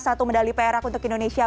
satu medali perak untuk indonesia